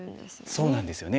そうなんですよね。